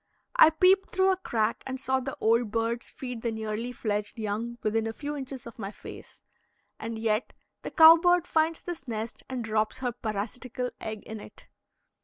I peeped through a crack and saw the old birds feed the nearly fledged young within a few inches of my face. And yet the cow bird finds this nest and drops her parasitical egg in it.